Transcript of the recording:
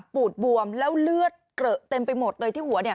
ปูดบวมแล้วเลือดเกลอะเต็มไปหมดเลยที่หัวเนี่ย